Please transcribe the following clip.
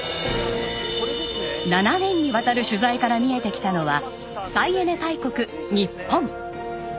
７年にわたる取材から見えてきたのは再エネ大国日本。